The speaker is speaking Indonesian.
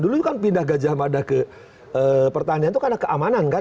dulu kan pindah gajah mada ke pertanian itu karena keamanan kan